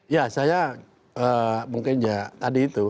ya saya mungkin ya tadi itu